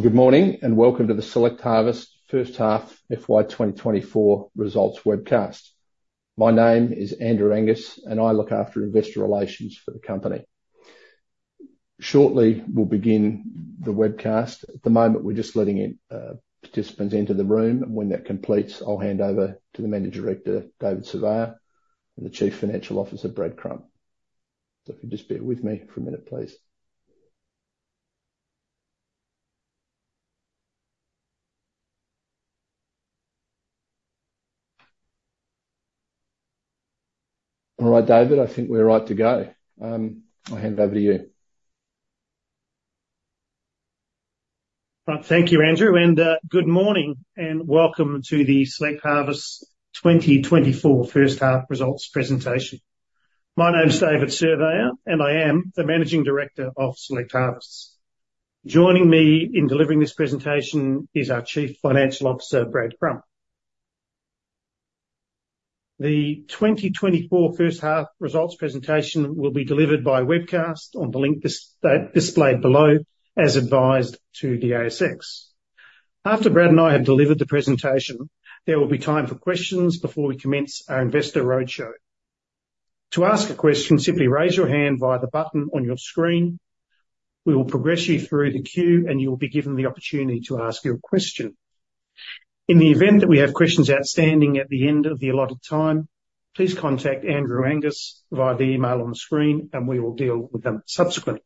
Good morning, and welcome to the Select Harvests first half FY 2024 results webcast. My name is Andrew Angus, and I look after investor relations for the company. Shortly, we'll begin the webcast. At the moment, we're just letting in participants enter the room. When that completes, I'll hand over to the Managing Director, David Surveyor, and the Chief Financial Officer, Brad Crump. So if you'd just bear with me for a minute, please. All right, David, I think we're right to go. I'll hand over to you. Thank you, Andrew, and good morning, and welcome to the Select Harvests 2024 first half results presentation. My name is David Surveyor, and I am the Managing Director of Select Harvests. Joining me in delivering this presentation is our Chief Financial Officer, Brad Crump. The 2024 first half results presentation will be delivered by webcast on the link displayed below, as advised to the ASX. After Brad and I have delivered the presentation, there will be time for questions before we commence our investor roadshow. To ask a question, simply raise your hand via the button on your screen. We will progress you through the queue, and you'll be given the opportunity to ask your question. In the event that we have questions outstanding at the end of the allotted time, please contact Andrew Angus via the email on the screen, and we will deal with them subsequently.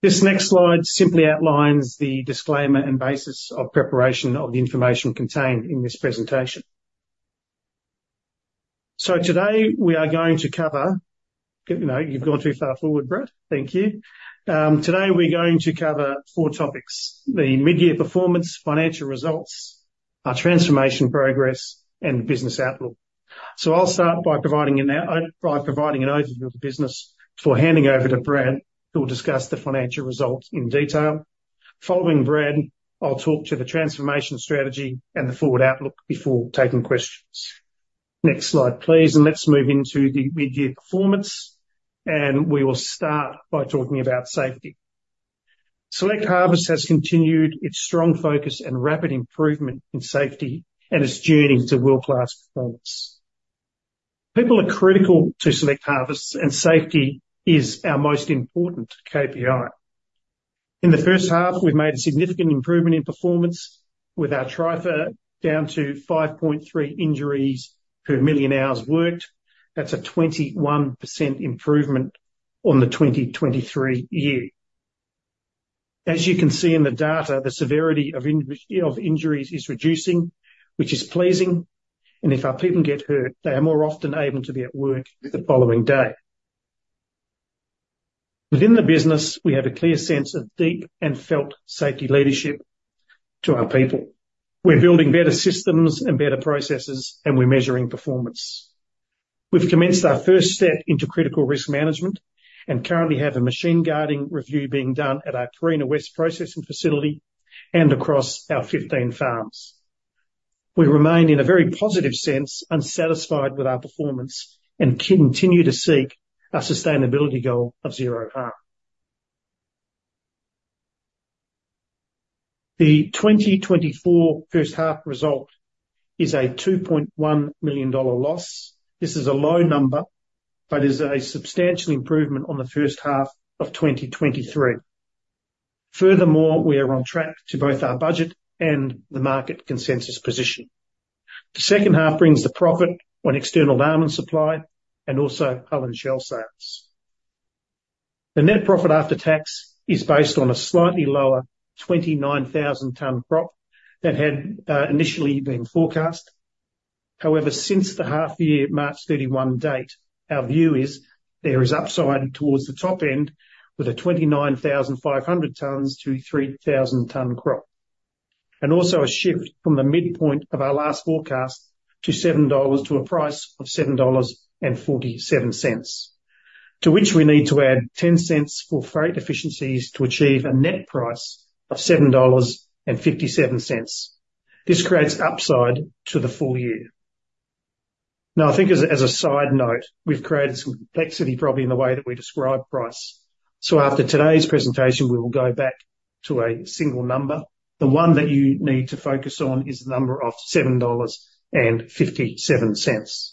This next slide simply outlines the disclaimer and basis of preparation of the information contained in this presentation. So today, we are going to cover... You know, you've gone too far forward, Brad. Thank you. Today we're going to cover four topics: the mid-year performance, financial results, our transformation progress, and the business outlook. So I'll start by providing an overview of the business before handing over to Brad, who will discuss the financial results in detail. Following Brad, I'll talk to the transformation strategy and the forward outlook before taking questions. Next slide, please, and let's move into the mid-year performance, and we will start by talking about safety. Select Harvests has continued its strong focus and rapid improvement in safety and its journey to world-class performance. People are critical to Select Harvests, and safety is our most important KPI. In the first half, we've made a significant improvement in performance with our TRIFR down to 5.3 injuries per million hours worked. That's a 21% improvement on the 2023 year. As you can see in the data, the severity of injuries is reducing, which is pleasing, and if our people get hurt, they are more often able to be at work the following day. Within the business, we have a clear sense of deep and felt safety leadership to our people. We're building better systems and better processes, and we're measuring performance. We've commenced our first step into critical risk management, and currently have a machine guarding review being done at our Carina West Processing Facility and across our 15 farms. We remain, in a very positive sense, unsatisfied with our performance and continue to seek our sustainability goal of zero harm. The 2024 first half result is a 2.1 million dollar loss. This is a low number, but is a substantial improvement on the first half of 2023. Furthermore, we are on track to both our budget and the market consensus position. The second half brings the profit on external almond supply and also hull and shell sales. The net profit after tax is based on a slightly lower 29,000-ton crop that had initially been forecast. However, since the half year, March 31 date, our view is there is upside towards the top end with a 29,500-30,000-ton crop, and also a shift from the midpoint of our last forecast to $7 to a price of $7.47, to which we need to add $0.10 for freight efficiencies to achieve a net price of $7.57. This creates upside to the full year. Now, I think as a, as a side note, we've created some complexity probably in the way that we describe price. So after today's presentation, we will go back to a single number. The one that you need to focus on is the number of $7.57.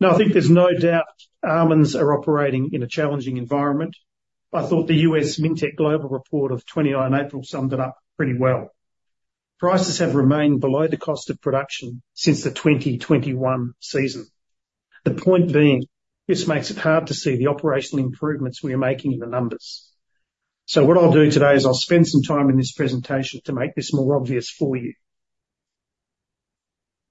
Now, I think there's no doubt almonds are operating in a challenging environment. I thought the U.S. Mintec Global Report of April 2020 summed it up pretty well. Prices have remained below the cost of production since the 2021 season. The point being, this makes it hard to see the operational improvements we are making in the numbers. So what I'll do today is I'll spend some time in this presentation to make this more obvious for you.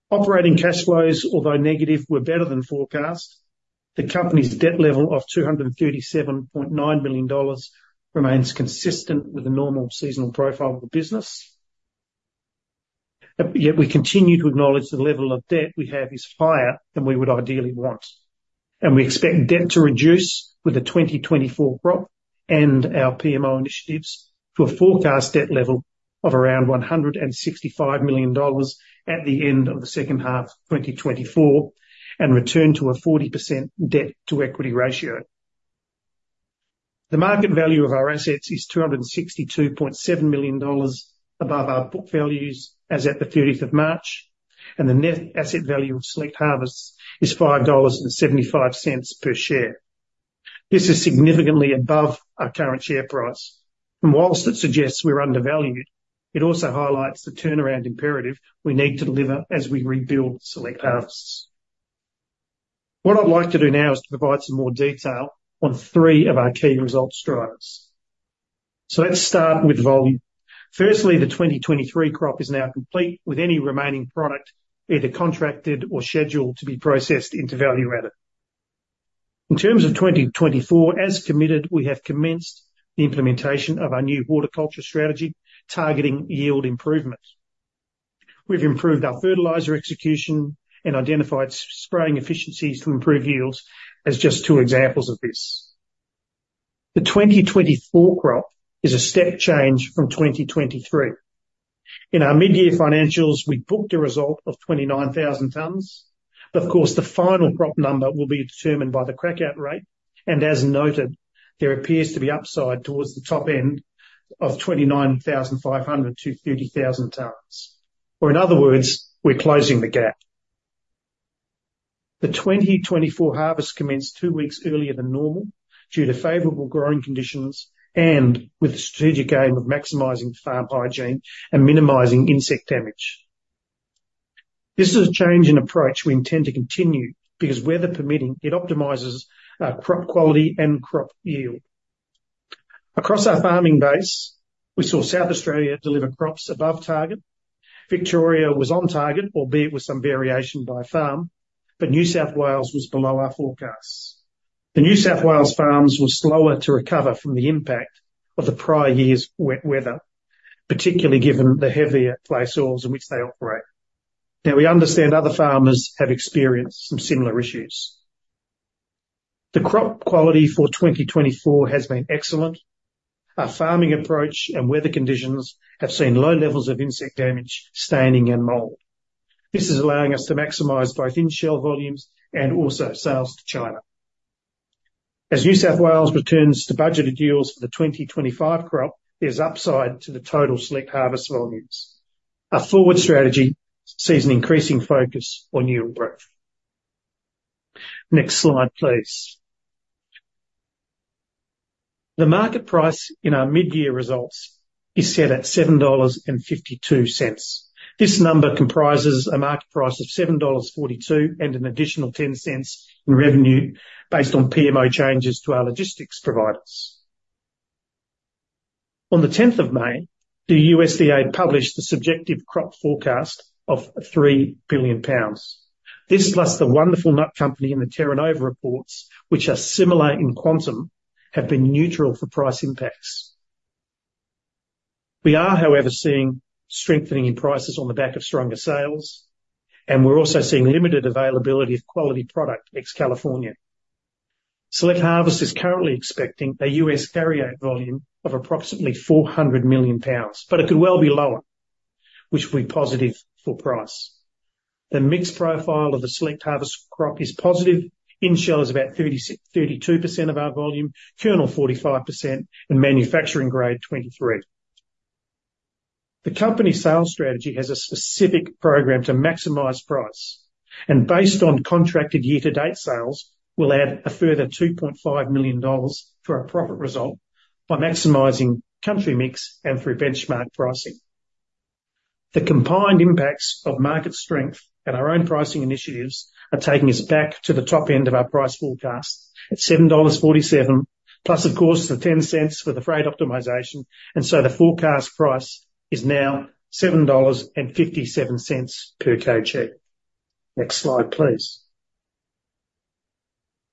Operating cash flows, although negative, were better than forecast. The company's debt level of 237.9 million dollars remains consistent with the normal seasonal profile of the business. Yet we continue to acknowledge the level of debt we have is higher than we would ideally want, and we expect debt to reduce with the 2024 crop and our PMO initiatives to a forecast debt level-... of around 165 million dollars at the end of the second half, 2024, and returned to a 40% debt-to-equity ratio. The market value of our assets is 262.7 million dollars above our book values as at the thirtieth of March, and the net asset value of Select Harvests is 5.75 dollars per share. This is significantly above our current share price, and while it suggests we're undervalued, it also highlights the turnaround imperative we need to deliver as we rebuild Select Harvests. What I'd like to do now is to provide some more detail on three of our key result drivers. So let's start with volume. Firstly, the 2023 crop is now complete, with any remaining product either contracted or scheduled to be processed into value added. In terms of 2024, as committed, we have commenced the implementation of our new horticulture strategy, targeting yield improvement. We've improved our fertilizer execution and identified spraying efficiencies to improve yields as just 2 examples of this. The 2024 crop is a step change from 2023. In our mid-year financials, we booked a result of 29,000 tons, but of course, the final crop number will be determined by the crack out rate, and as noted, there appears to be upside towards the top end of 29,500-30,000 tons. Or in other words, we're closing the gap. The 2024 harvest commenced 2 weeks earlier than normal due to favorable growing conditions, and with the strategic aim of maximizing farm hygiene and minimizing insect damage. This is a change in approach we intend to continue because, weather permitting, it optimizes crop quality and crop yield. Across our farming base, we saw South Australia deliver crops above target. Victoria was on target, albeit with some variation by farm, but New South Wales was below our forecasts. The New South Wales farms were slower to recover from the impact of the prior year's weather, particularly given the heavier clay soils in which they operate. Now, we understand other farmers have experienced some similar issues. The crop quality for 2024 has been excellent. Our farming approach and weather conditions have seen low levels of insect damage, staining, and mold. This is allowing us to maximize both in-shell volumes and also sales to China. As New South Wales returns to budgeted yields for the 2025 crop, there's upside to the total Select Harvests volumes. Our forward strategy sees an increasing focus on yield growth. Next slide, please. The market price in our mid-year results is set at $7.52. This number comprises a market price of $7.42, and an additional 10 cents in revenue based on PMO changes to our logistics providers. On the tenth of May, the USDA published the subjective crop forecast of 3 billion pounds. This, plus the Wonderful Nut Company and the Terra Nova reports, which are similar in quantum, have been neutral for price impacts. We are, however, seeing strengthening in prices on the back of stronger sales, and we're also seeing limited availability of quality product ex-California. Select Harvests is currently expecting a US carryout volume of approximately 400 million pounds, but it could well be lower, which will be positive for price. The mix profile of the Select Harvests crop is positive. In-shell is about 32% of our volume, kernel 45%, and manufacturing grade 23%. The company sales strategy has a specific program to maximize price, and based on contracted year-to-date sales, will add a further 2.5 million dollars to our profit result by maximizing country mix and through benchmark pricing. The combined impacts of market strength and our own pricing initiatives are taking us back to the top end of our price forecast at 7.47 dollars plus, of course, the 0.10 for the freight optimization, and so the forecast price is now 7.57 dollars per kg. Next slide, please.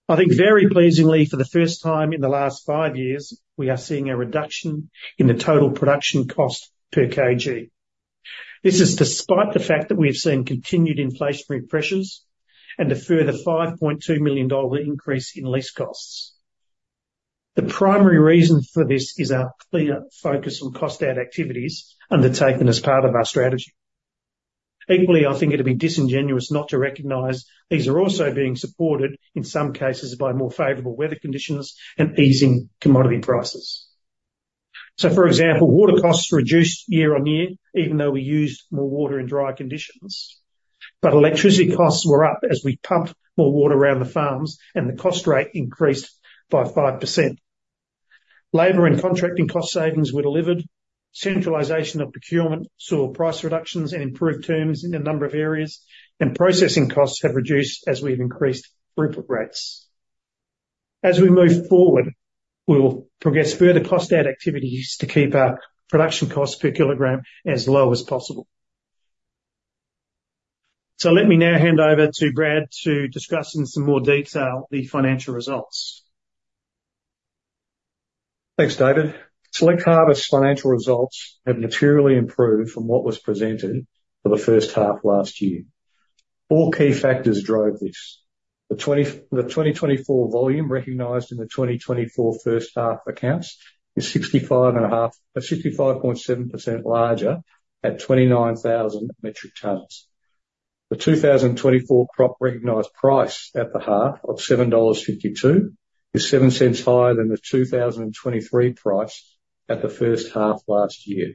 I think very pleasingly, for the first time in the last five years, we are seeing a reduction in the total production cost per kg. This is despite the fact that we have seen continued inflationary pressures and a further 5.2 million dollar increase in lease costs. The primary reason for this is our clearer focus on cost out activities undertaken as part of our strategy. Equally, I think it'd be disingenuous not to recognize these are also being supported, in some cases, by more favorable weather conditions and easing commodity prices. So for example, water costs reduced year-on-year, even though we used more water in drier conditions, but electricity costs were up as we pumped more water around the farms, and the cost rate increased by 5%. Labor and contracting cost savings were delivered, centralization of procurement saw price reductions and improved terms in a number of areas, and processing costs have reduced as we've increased throughput rates. As we move forward, we will progress further cost out activities to keep our production costs per kilogram as low as possible. So let me now hand over to Brad to discuss in some more detail the financial results. Thanks, David. Select Harvests financial results have materially improved from what was presented for the first half of last year. All key factors drove this. The 2024 volume recognized in the 2024 first half accounts is 65.5, 65.7% larger at 29,000 metric tons. The 2024 crop recognized price at the half of 7.52 dollars is 0.07 higher than the 2023 price at the first half last year.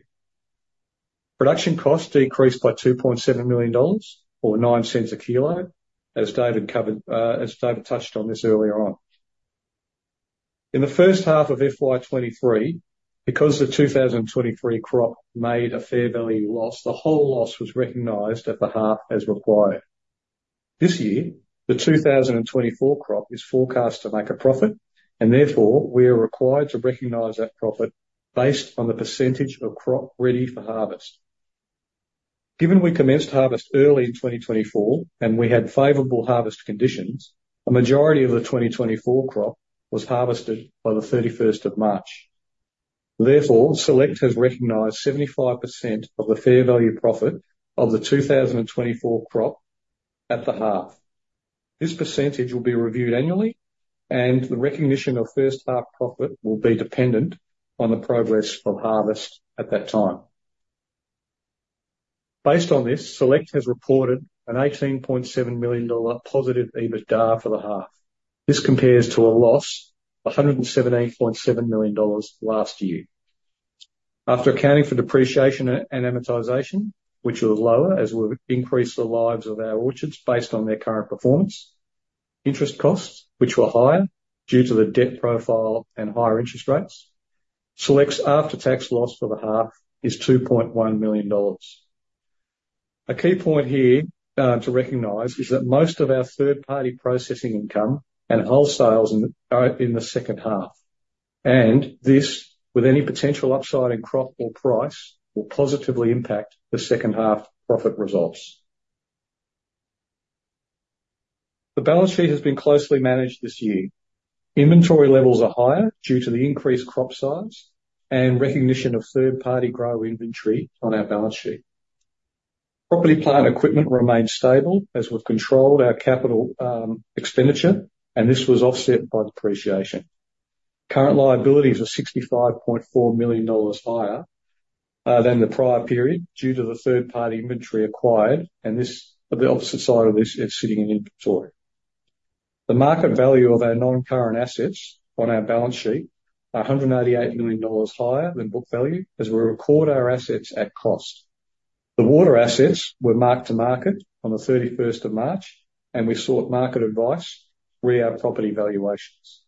Production costs decreased by 2.7 million dollars, or 0.09 a kilo, as David covered, as David touched on this earlier on. In the first half of FY 2023, because the 2023 crop made a fair value loss, the whole loss was recognized at the half as required. This year, the 2024 crop is forecast to make a profit, and therefore, we are required to recognize that profit based on the percentage of crop ready for harvest. Given we commenced harvest early in 2024, and we had favorable harvest conditions, a majority of the 2024 crop was harvested by March 31. Therefore, Select has recognized 75% of the fair value profit of the 2024 crop at the half. This percentage will be reviewed annually, and the recognition of first half profit will be dependent on the progress of harvest at that time. Based on this, Select has reported an 18.7 million dollar positive EBITDA for the half. This compares to a loss of 117.7 million dollars last year. After accounting for depreciation and amortization, which was lower, as we've increased the lives of our orchards based on their current performance. Interest costs, which were higher due to the debt profile and higher interest rates. Select's after-tax loss for the half is 2.1 million dollars. A key point here to recognize is that most of our third-party processing income and wholesales are in the second half, and this, with any potential upside in crop or price, will positively impact the second half profit results. The balance sheet has been closely managed this year. Inventory levels are higher due to the increased crop size and recognition of third-party grower inventory on our balance sheet. Property, plant, and equipment remains stable as we've controlled our capital expenditure, and this was offset by depreciation. Current liabilities are $65.4 million higher than the prior period, due to the third-party inventory acquired, and this, the opposite side of this is sitting in inventory. The market value of our non-current assets on our balance sheet are $188 million higher than book value as we record our assets at cost. The water assets were marked to market on the 31st of March, and we sought market advice re our property valuations.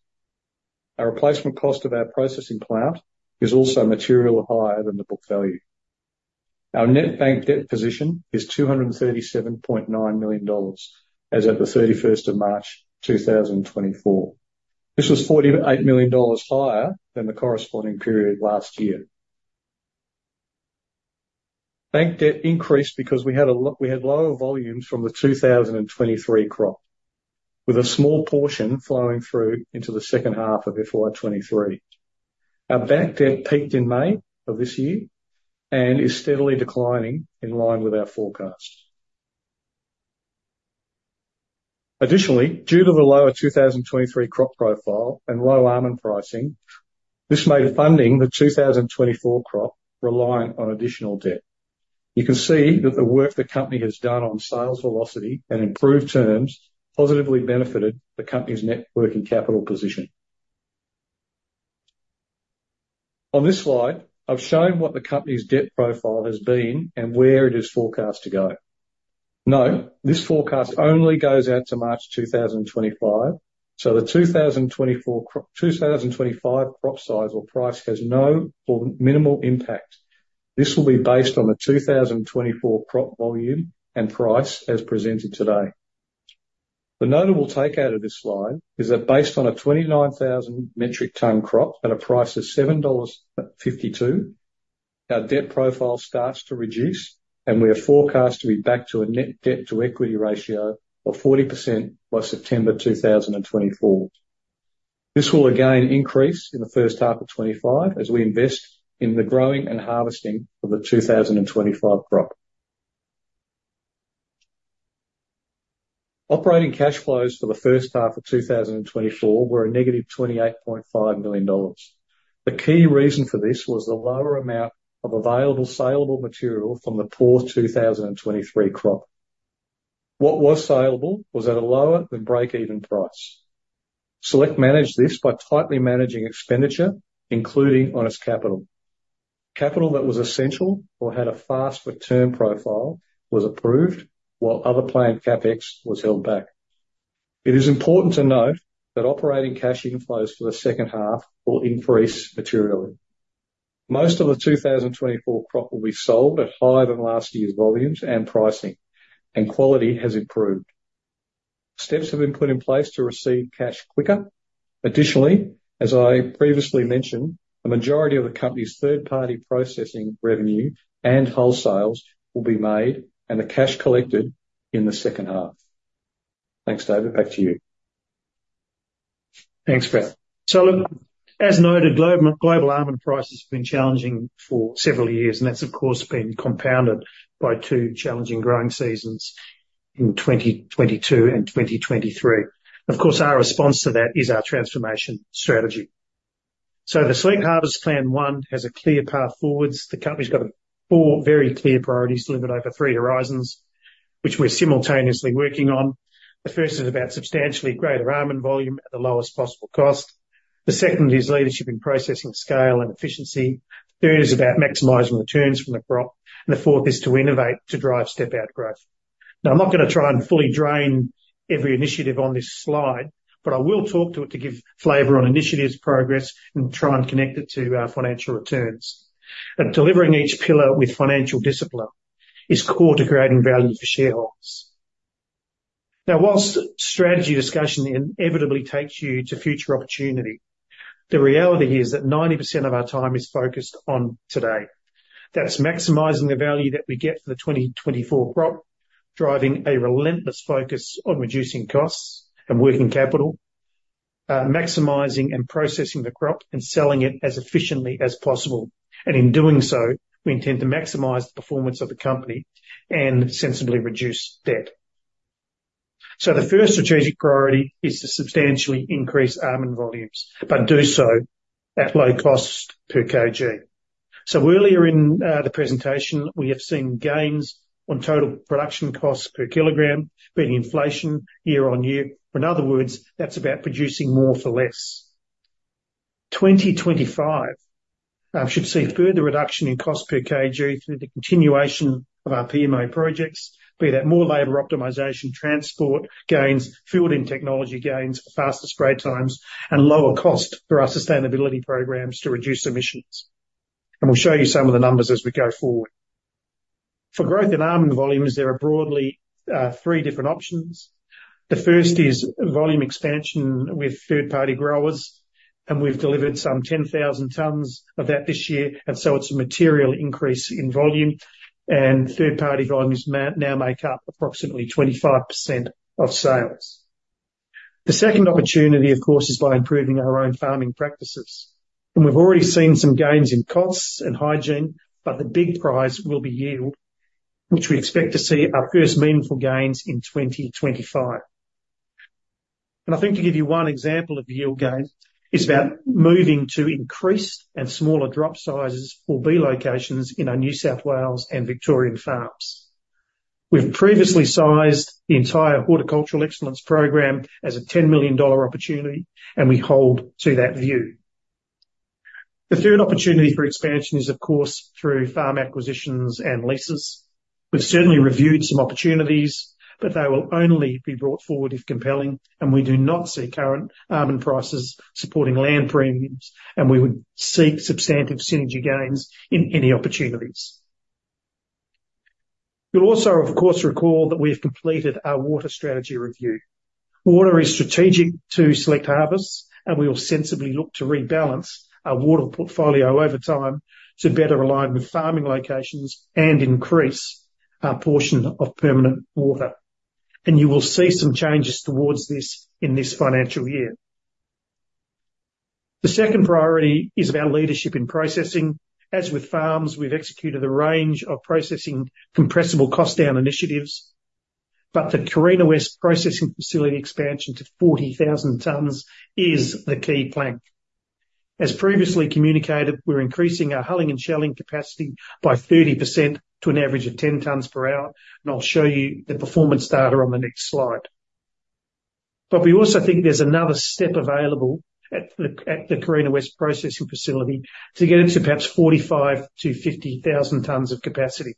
Our replacement cost of our processing plant is also materially higher than the book value. Our net bank debt position is $237.9 million as of the 31st of March, 2024. This was $48 million higher than the corresponding period last year. Bank debt increased because we had lower volumes from the 2023 crop, with a small portion flowing through into the second half of FY 2023. Our bank debt peaked in May of this year and is steadily declining in line with our forecast. Additionally, due to the lower 2023 crop profile and low almond pricing, this made funding the 2024 crop reliant on additional debt. You can see that the work the company has done on sales velocity and improved terms positively benefited the company's net working capital position. On this slide, I've shown what the company's debt profile has been and where it is forecast to go. Note, this forecast only goes out to March 2025, so the 2024 crop—2025 crop size or price has no or minimal impact. This will be based on the 2024 crop volume and price as presented today. The notable takeout of this slide is that based on a 29,000 metric ton crop at a price of 7.52 dollars, our debt profile starts to reduce, and we are forecast to be back to a net debt-to-equity ratio of 40% by September 2024. This will again increase in the first half of 2025 as we invest in the growing and harvesting of the 2025 crop. Operating cash flows for the first half of 2024 were a negative 28.5 million dollars. The key reason for this was the lower amount of available saleable material from the poor 2023 crop. What was saleable was at a lower than break-even price. Select managed this by tightly managing expenditure, including on its capital. Capital that was essential or had a fast return profile was approved, while other planned CapEx was held back. It is important to note that operating cash inflows for the second half will increase materially. Most of the 2024 crop will be sold at higher than last year's volumes and pricing, and quality has improved. Steps have been put in place to receive cash quicker. Additionally, as I previously mentioned, the majority of the company's third-party processing revenue and wholesales will be made, and the cash collected in the second half. Thanks, David, back to you.... Thanks, Brad. So look, as noted, global, global almond prices have been challenging for several years, and that's, of course, been compounded by two challenging growing seasons in 2022 and 2023. Of course, our response to that is our transformation strategy. So the Select Harvests plan one has a clear path forward. The company's got four very clear priorities delivered over three horizons, which we're simultaneously working on. The first is about substantially greater almond volume at the lowest possible cost. The second is leadership in processing scale and efficiency. Third is about maximizing returns from the crop, and the fourth is to innovate, to drive step-out growth. Now, I'm not gonna try and fully drain every initiative on this slide, but I will talk to it to give flavor on initiatives, progress, and try and connect it to, financial returns. Delivering each pillar with financial discipline is core to creating value for shareholders. Now, while strategy discussion inevitably takes you to future opportunity, the reality is that 90% of our time is focused on today. That's maximizing the value that we get for the 2024 crop, driving a relentless focus on reducing costs and working capital, maximizing and processing the crop, and selling it as efficiently as possible. And in doing so, we intend to maximize the performance of the company and sensibly reduce debt. So the first strategic priority is to substantially increase almond volumes, but do so at low cost per kg. So earlier in the presentation, we have seen gains on total production costs per kilogram, beating inflation year-on-year, or in other words, that's about producing more for less. 2025 should see further reduction in cost per kg through the continuation of our PMO projects, be that more labor optimization, transport gains, field and technology gains, faster spray times, and lower cost for our sustainability programs to reduce emissions. And we'll show you some of the numbers as we go forward. For growth in almond volumes, there are broadly three different options. The first is volume expansion with third-party growers, and we've delivered some 10,000 tons of that this year, and so it's a material increase in volume, and third-party volumes now make up approximately 25% of sales. The second opportunity, of course, is by improving our own farming practices, and we've already seen some gains in costs and hygiene, but the big prize will be yield, which we expect to see our first meaningful gains in 2025. I think to give you one example of the yield gain, is about moving to increased and smaller drop sizes or bee locations in our New South Wales and Victorian farms. We've previously sized the entire Horticultural Excellence Program as a 10 million dollar opportunity, and we hold to that view. The third opportunity for expansion is, of course, through farm acquisitions and leases. We've certainly reviewed some opportunities, but they will only be brought forward if compelling, and we do not see current almond prices supporting land premiums, and we would seek substantive synergy gains in any opportunities. You'll also, of course, recall that we have completed our water strategy review. Water is strategic to Select Harvests, and we will sensibly look to rebalance our water portfolio over time to better align with farming locations and increase our portion of permanent water. You will see some changes towards this in this financial year. The second priority is about leadership in processing. As with farms, we've executed a range of processing compressible cost down initiatives, but the Carina West Processing Facility expansion to 40,000 tons is the key plank. As previously communicated, we're increasing our hulling and shelling capacity by 30% to an average of 10 tons per hour, and I'll show you the performance data on the next slide. But we also think there's another step available at the Carina West Processing Facility to get it to perhaps 45,000-50,000 tons of capacity.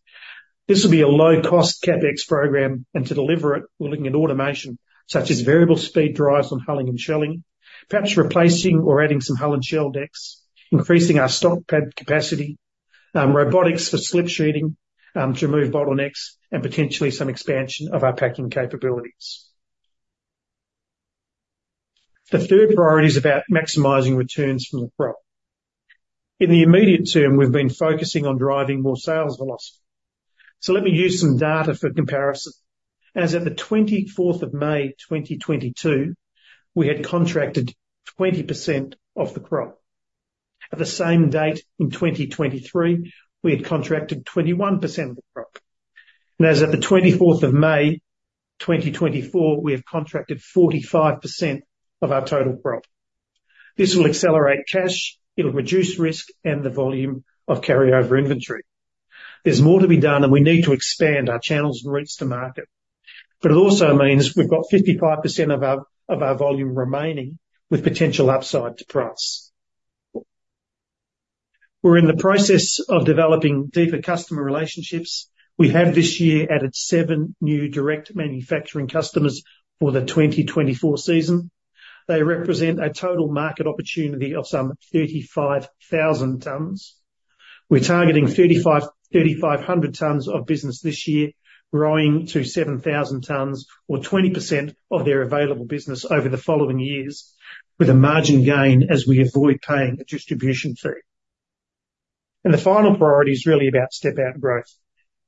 This will be a low-cost CapEx program, and to deliver it, we're looking at automation, such as variable speed drives on hulling and shelling, perhaps replacing or adding some hull and shell decks, increasing our stock pad capacity, robotics for slip sheeting, to remove bottlenecks, and potentially some expansion of our packing capabilities. The third priority is about maximizing returns from the crop. In the immediate term, we've been focusing on driving more sales velocity. So let me use some data for comparison. As at the 24th of May, 2022, we had contracted 20% of the crop. At the same date in 2023, we had contracted 21% of the crop, and as at the 24th of May, 2024, we have contracted 45% of our total crop. This will accelerate cash, it'll reduce risk, and the volume of carryover inventory. There's more to be done, and we need to expand our channels and routes to market. But it also means we've got 55% of our, of our volume remaining with potential upside to price. We're in the process of developing deeper customer relationships. We have this year added 7 new direct manufacturing customers for the 2024 season. They represent a total market opportunity of some 35,000 tons. We're targeting 3,500 tons of business this year, growing to 7,000 tons, or 20% of their available business over the following years, with a margin gain as we avoid paying a distribution fee.... And the final priority is really about step out growth.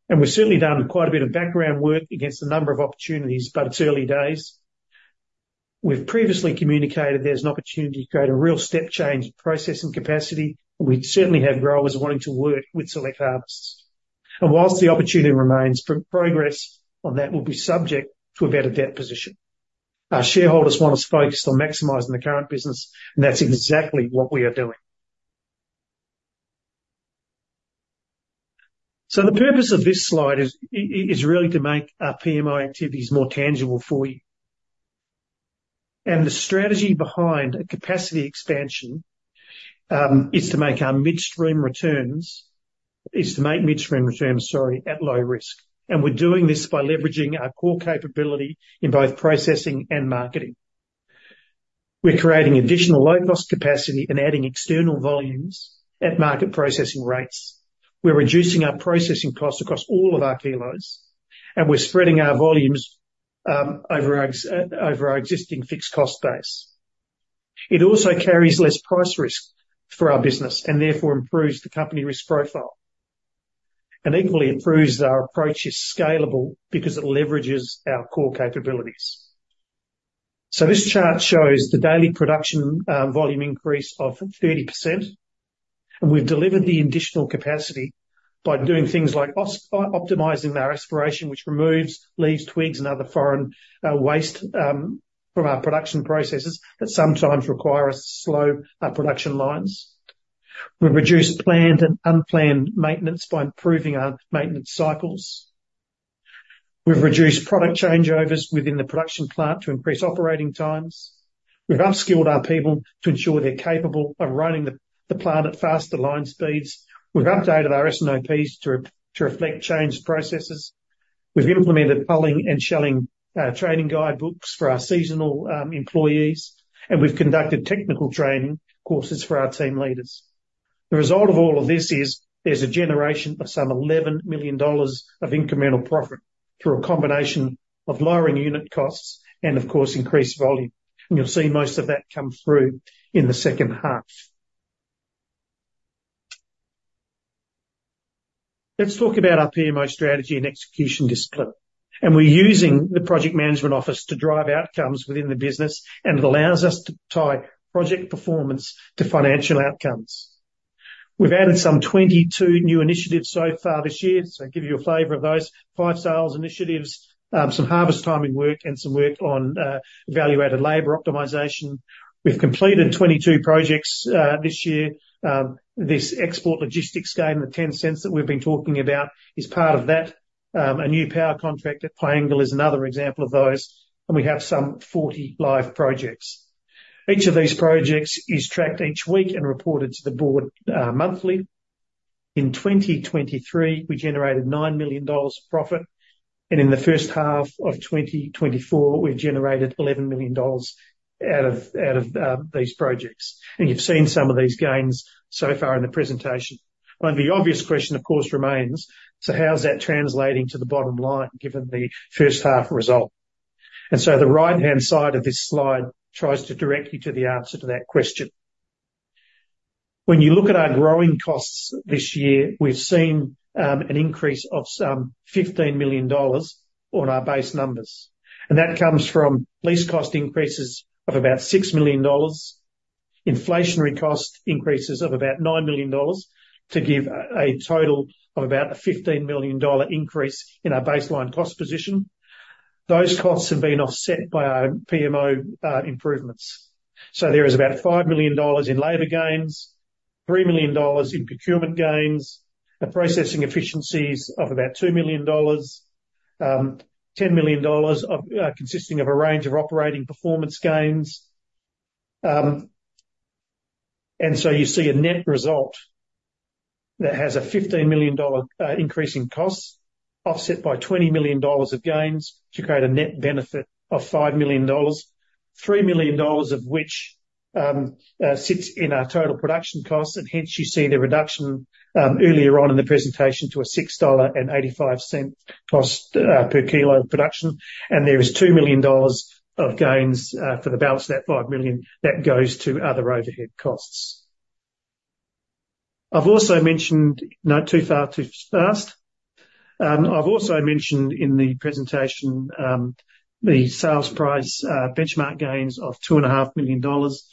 And we've certainly done quite a bit of background work against a number of opportunities, but it's early days. We've previously communicated there's an opportunity to create a real step change in processing capacity, and we certainly have growers wanting to work with Select Harvests. While the opportunity remains, progress on that will be subject to a better debt position. Our shareholders want us focused on maximizing the current business, and that's exactly what we are doing. So the purpose of this slide is really to make our PMI activities more tangible for you. The strategy behind a capacity expansion is to make midstream returns, sorry, at low risk. We're doing this by leveraging our core capability in both processing and marketing. We're creating additional low-cost capacity and adding external volumes at market processing rates. We're reducing our processing costs across all of our kilos, and we're spreading our volumes over our existing fixed cost base. It also carries less price risk for our business and therefore improves the company risk profile, and equally improves our approach is scalable because it leverages our core capabilities. So this chart shows the daily production volume increase of 30%, and we've delivered the additional capacity by doing things like optimizing our aspiration, which removes leaves, twigs, and other foreign waste from our production processes that sometimes require us to slow our production lines. We've reduced planned and unplanned maintenance by improving our maintenance cycles. We've reduced product changeovers within the production plant to increase operating times. We've upskilled our people to ensure they're capable of running the plant at faster line speeds. We've updated our S&OPs to reflect changed processes. We've implemented hulling and shelling training guidebooks for our seasonal employees, and we've conducted technical training courses for our team leaders. The result of all of this is, there's a generation of some 11 million dollars of incremental profit through a combination of lowering unit costs and, of course, increased volume, and you'll see most of that come through in the second half. Let's talk about our PMO strategy and execution discipline, and we're using the project management office to drive outcomes within the business, and it allows us to tie project performance to financial outcomes. We've added some 22 new initiatives so far this year, so I'll give you a flavor of those, five sales initiatives, some harvest timing work, and some work on value-added labor optimization. We've completed 22 projects this year. This export logistics gain, the 0.10 that we've been talking about is part of that. A new power contract at Piangil is another example of those, and we have some 40 live projects. Each of these projects is tracked each week and reported to the board monthly. In 2023, we generated 9 million dollars profit, and in the first half of 2024, we've generated 11 million dollars out of these projects, and you've seen some of these gains so far in the presentation. Well, the obvious question, of course, remains: So how's that translating to the bottom line, given the first half result? And so the right-hand side of this slide tries to direct you to the answer to that question. When you look at our growing costs this year, we've seen an increase of some 15 million dollars on our base numbers, and that comes from lease cost increases of about 6 million dollars, inflationary cost increases of about 9 million dollars, to give a total of about 15 million dollar increase in our baseline cost position. Those costs have been offset by our PMO improvements. So there is about 5 million dollars in labor gains, 3 million dollars in procurement gains, a processing efficiencies of about 2 million dollars, 10 million dollars consisting of a range of operating performance gains. And so you see a net result that has a 15 million dollar increase in costs, offset by 20 million dollars of gains to create a net benefit of 5 million dollars. 3 million dollars of which sits in our total production cost, and hence you see the reduction earlier on in the presentation to a 6.85 dollar cost per kilo of production, and there is 2 million dollars of gains for the balance of that 5 million that goes to other overhead costs. I've also mentioned... No, too far, too fast. I've also mentioned in the presentation the sales price benchmark gains of 2.5 million dollars.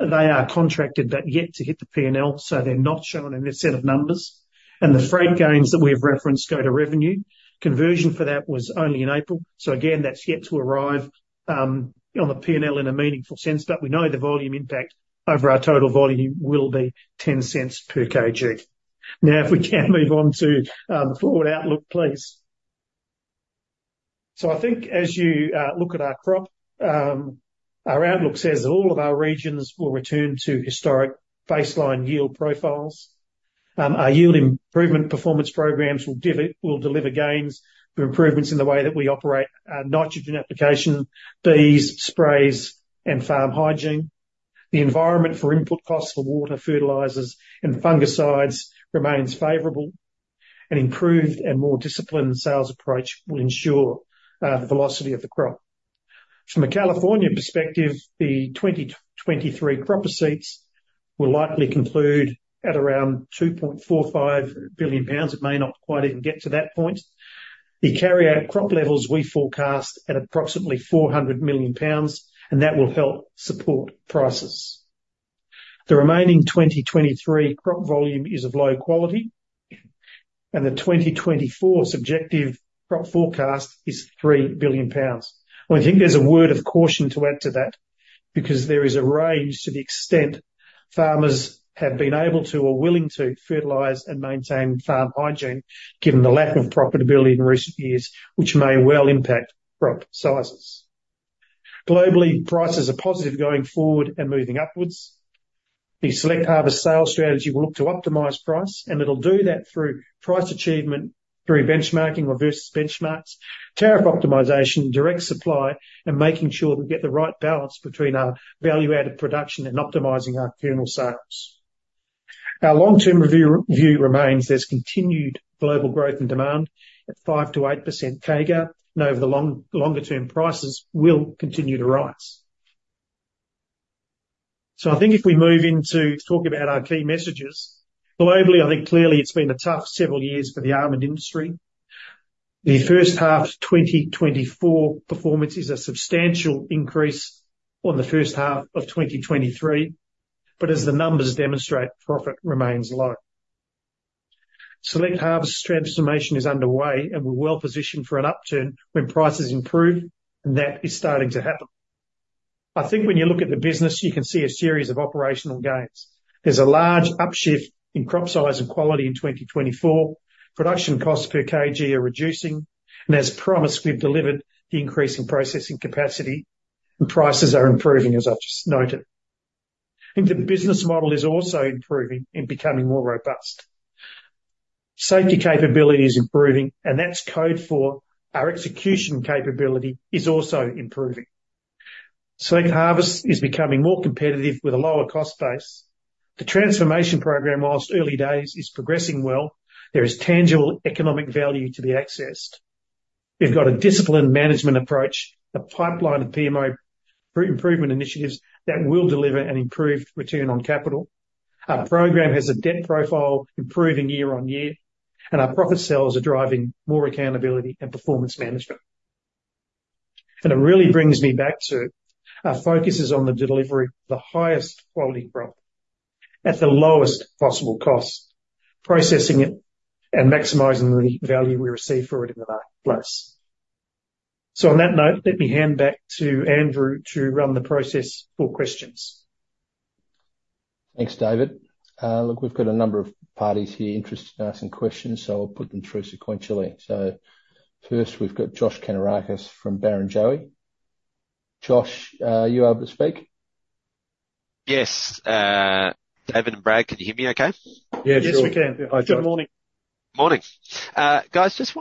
They are contracted, but yet to hit the P&L, so they're not shown in this set of numbers. The freight gains that we've referenced go to revenue. Conversion for that was only in April, so again, that's yet to arrive on the P&L in a meaningful sense, but we know the volume impact over our total volume will be 0.10 per kg. Now, if we can move on to forward outlook, please. So I think as you look at our crop, our outlook says that all of our regions will return to historic baseline yield profiles. Our yield improvement performance programs will deliver gains through improvements in the way that we operate, nitrogen application, bees, sprays, and farm hygiene. The environment for input costs for water, fertilizers, and fungicides remains favorable. An improved and more disciplined sales approach will ensure the velocity of the crop. From a California perspective, the 2023 crop receipts will likely conclude at around 2.45 billion pounds. It may not quite even get to that point. The carry-out crop levels we forecast at approximately 400 million pounds, and that will help support prices. The remaining 2023 crop volume is of low quality, and the 2024 subjective crop forecast is 3 billion pounds. Well, I think there's a word of caution to add to that, because there is a range to the extent farmers have been able to or willing to fertilize and maintain farm hygiene, given the lack of profitability in recent years, which may well impact crop sizes. Globally, prices are positive going forward and moving upwards. The Select Harvests sales strategy will look to optimize price, and it'll do that through price achievement, through benchmarking versus benchmarks, tariff optimization, direct supply, and making sure we get the right balance between our value-added production and optimizing our kernel sales. Our long-term review remains: there's continued global growth and demand at 5%-8% CAGR, and over the long, longer term, prices will continue to rise. So I think if we move into talking about our key messages. Globally, I think clearly it's been a tough several years for the almond industry. The first half 2024 performance is a substantial increase on the first half of 2023, but as the numbers demonstrate, profit remains low. Select Harvests transformation is underway, and we're well positioned for an upturn when prices improve, and that is starting to happen. I think when you look at the business, you can see a series of operational gains. There's a large upshift in crop size and quality in 2024. Production costs per kg are reducing, and as promised, we've delivered the increase in processing capacity, and prices are improving, as I've just noted. I think the business model is also improving and becoming more robust. Safety capability is improving, and that's code for our execution capability is also improving. Select Harvests is becoming more competitive with a lower cost base. The transformation program, whilst early days, is progressing well. There is tangible economic value to be accessed. We've got a disciplined management approach, a pipeline of PMO for improvement initiatives that will deliver an improved return on capital. Our program has a debt profile improving year on year, and our profit sales are driving more accountability and performance management. It really brings me back to our focus is on the delivery of the highest quality crop at the lowest possible cost, processing it, and maximizing the value we receive for it in the marketplace. On that note, let me hand back to Andrew to run the process for questions. Thanks, David. Look, we've got a number of parties here interested in asking questions, so I'll put them through sequentially. So first, we've got Josh Kannourakis from Barrenjoey. Josh, are you able to speak? Yes, David and Brad, can you hear me okay? Yeah. Yes, we can. Hi, Josh. Good morning. Morning. Guys, just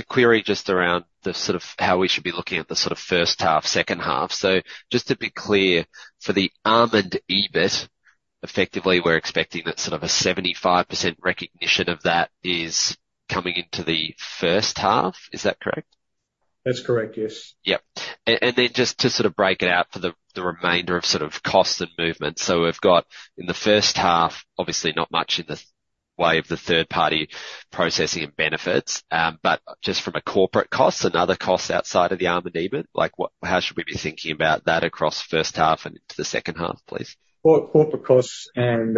a query just around the sort of how we should be looking at the sort of first half, second half. So just to be clear, for the almond EBIT, effectively, we're expecting that sort of a 75% recognition of that is coming into the first half. Is that correct? That's correct, yes. Yep. And then just to sort of break it out for the remainder of sort of cost and movement. So we've got in the first half, obviously not much in the way of the third party processing and benefits, but just from a corporate cost and other costs outside of the almond EBIT, like, how should we be thinking about that across the first half and into the second half, please? Well, corporate costs and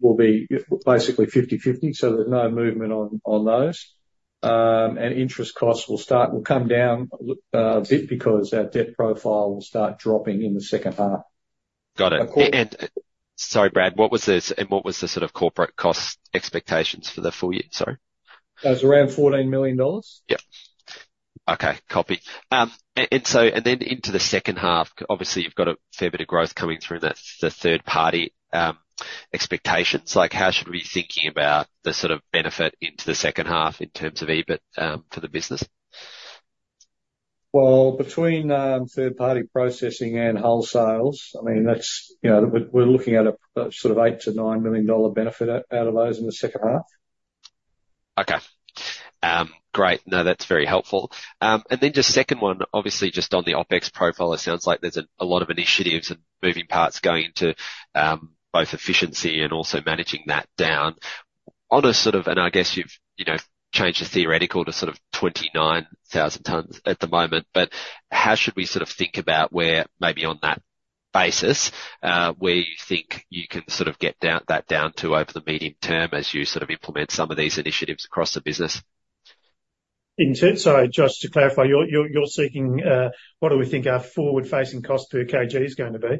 will be basically 50/50, so there's no movement on those. And interest costs will come down a little bit, because our debt profile will start dropping in the second half. Got it. Of course- Sorry, Brad, what was this, and what was the sort of corporate cost expectations for the full year? Sorry. That's around 14 million dollars. Yep. Okay, copy. And so, and then into the second half, obviously you've got a fair bit of growth coming through in that the third party expectations. Like, how should we be thinking about the sort of benefit into the second half in terms of EBIT for the business? Well, between third party processing and wholesales, I mean, that's, you know, we're looking at a sort of 8-9 million dollar benefit out of those in the second half. Okay. Great. No, that's very helpful. And then just second one, obviously just on the OpEx profile, it sounds like there's a lot of initiatives and moving parts going into both efficiency and also managing that down. On a sort of, and I guess you've, you know, changed the theoretical to sort of 29,000 tons at the moment, but how should we sort of think about where, maybe on that basis, where you think you can sort of get that down to over the medium term, as you sort of implement some of these initiatives across the business? In terms... Sorry, just to clarify, you're seeking what do we think our forward-facing cost per kg is going to be?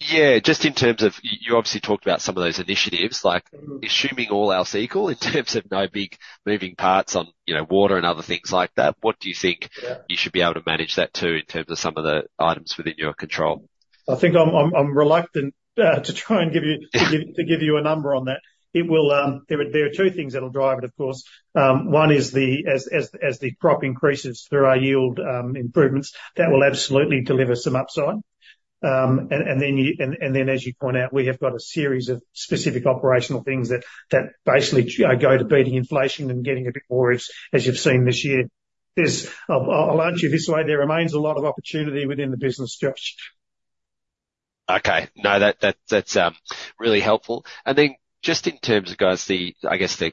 Yeah, just in terms of, you obviously talked about some of those initiatives, like- Mm-hmm. - Assuming all else equal, in terms of no big moving parts on, you know, water and other things like that, what do you think? Yeah. You should be able to manage that too, in terms of some of the items within your control? I think I'm reluctant to try and give you a number on that. It will, there are two things that will drive it, of course. One is as the crop increases through our yield improvements, that will absolutely deliver some upside. And then as you point out, we have got a series of specific operational things that basically go to beating inflation and getting a bit more, as you've seen this year. There's, I'll argue this way, there remains a lot of opportunity within the business, Josh.... Okay. No, that's really helpful. And then just in terms of, guys, I guess, you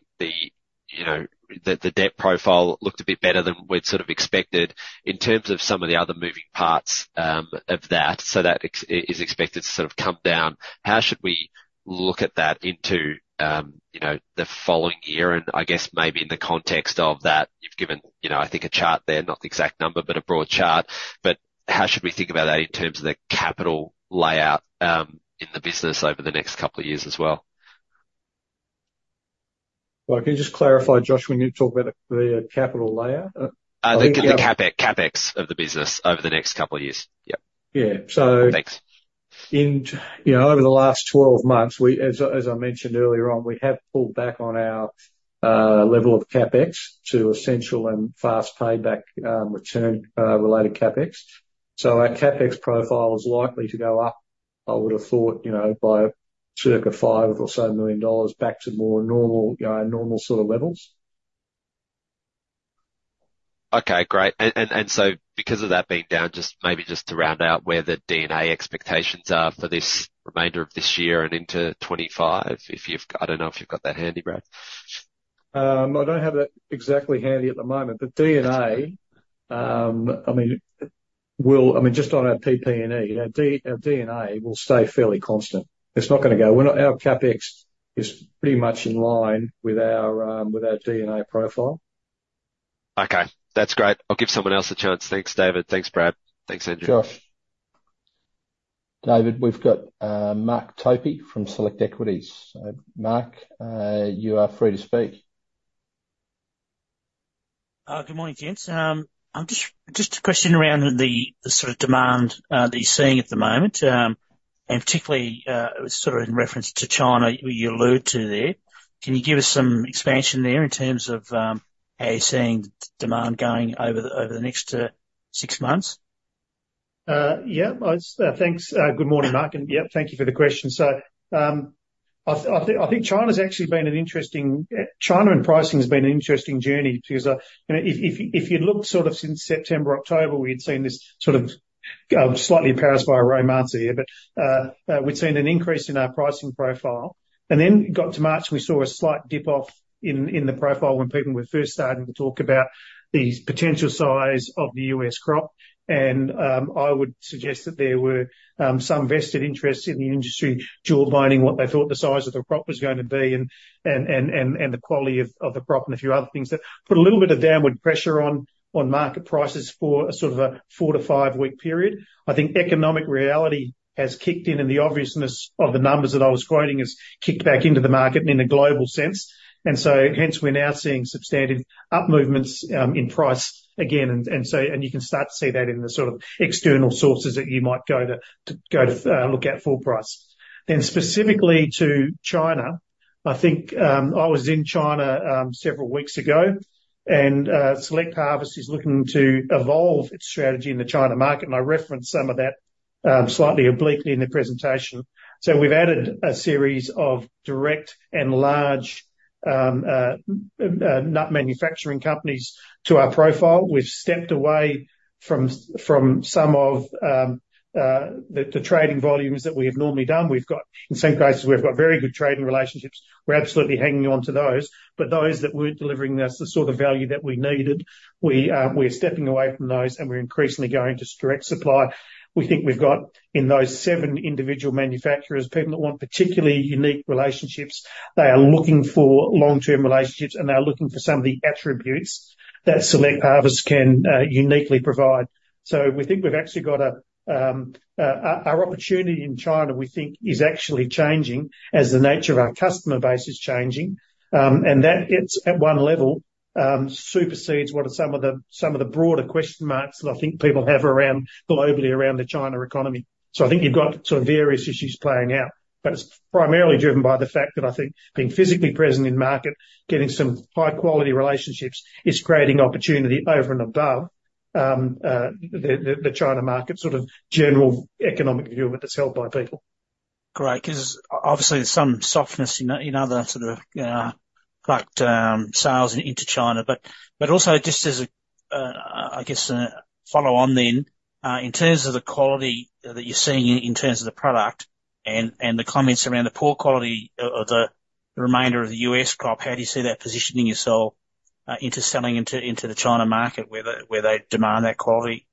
know, the debt profile looked a bit better than we'd sort of expected. In terms of some of the other moving parts of that, so that ex- is expected to sort of come down. How should we look at that into, you know, the following year? And I guess maybe in the context of that, you've given, you know, I think a chart there, not the exact number, but a broad chart. But how should we think about that in terms of the capital layout in the business over the next couple of years as well? Well, can you just clarify, Josh, when you talk about the capital layout? The CapEx of the business over the next couple of years. Yep. Yeah. So- Thanks. In, you know, over the last 12 months, we, as I mentioned earlier on, we have pulled back on our level of CapEx to essential and fast payback return related CapEx. So our CapEx profile is likely to go up, I would've thought, you know, by circa 5 million or so back to more normal normal sort of levels. Okay, great. And so because of that being down, just maybe to round out where the D&A expectations are for this remainder of this year and into 2025, if you've... I don't know if you've got that handy, Brad? I don't have that exactly handy at the moment, but D&A, I mean, just on our PP&E, our D&A will stay fairly constant. It's not gonna go. Our CapEx is pretty much in line with our D&A profile. Okay. That's great. I'll give someone else a chance. Thanks, David. Thanks, Brad. Thanks, Andrew. Josh. David, we've got Mark Topy from Select Equities. So Mark, you are free to speak. Good morning, gents. I'm just a question around the sort of demand that you're seeing at the moment. And particularly, sort of in reference to China, you allude to there. Can you give us some expansion there in terms of how you're seeing demand going over the next six months? Yeah. I, thanks. Good morning, Mark, and yeah, thank you for the question. So, I, I think, I think China's actually been an interesting, China and pricing has been an interesting journey, because, you know, if, if, if you look sort of since September, October, we'd seen this sort of, slightly embarrassed by my remarks here, but, we'd seen an increase in our pricing profile. And then got to March, we saw a slight dip off in, in the profile when people were first starting to talk about the potential size of the US crop. I would suggest that there were some vested interests in the industry, jawboning, what they thought the size of the crop was going to be, and the quality of the crop and a few other things, that put a little bit of downward pressure on market prices for a sort of four- to five-week period. I think economic reality has kicked in, and the obviousness of the numbers that I was quoting has kicked back into the market in a global sense. And so hence, we're now seeing substantive up movements in price again. And so, you can start to see that in the sort of external sources that you might go to look at full price. Then specifically to China, I think I was in China several weeks ago, and Select Harvests is looking to evolve its strategy in the China market, and I referenced some of that slightly obliquely in the presentation. So we've added a series of direct and large nut manufacturing companies to our profile. We've stepped away from some of the trading volumes that we have normally done. We've got in some cases very good trading relationships. We're absolutely hanging on to those, but those that weren't delivering us the sort of value that we needed, we're stepping away from those, and we're increasingly going to direct supply. We think we've got, in those seven individual manufacturers, people that want particularly unique relationships. They are looking for long-term relationships, and they are looking for some of the attributes that Select Harvests can uniquely provide. So we think we've actually got our opportunity in China, we think is actually changing as the nature of our customer base is changing. And that it's at one level supersedes what are some of the broader question marks that I think people have around, globally around the China economy. So I think you've got sort of various issues playing out, but it's primarily driven by the fact that I think being physically present in market, getting some high quality relationships, is creating opportunity over and above the China market, sort of general economic view that's held by people. Great, 'cause obviously there's some softness in other sort of product sales into China. But also just as a, I guess, a follow on then, in terms of the quality that you're seeing in terms of the product and the comments around the poor quality of the remainder of the US crop, how do you see that positioning yourself into selling into the China market, where they demand that quality?